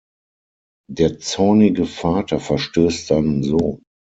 Der zornige Vater verstößt seinen Sohn.